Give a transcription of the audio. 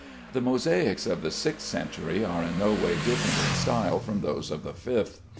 The mosaics of the sixth century are in no way different in style from those of the fifth.